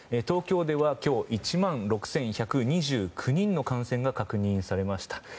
東京では今日１万６１２９人の感染が確認されました。